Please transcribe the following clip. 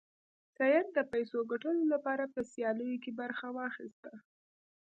سید د پیسو ګټلو لپاره په سیالیو کې برخه واخیسته.